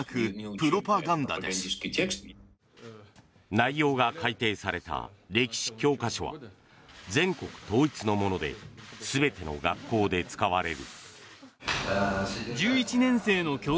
内容が改訂された歴史教科書は全国統一のもので全ての学校で使われる。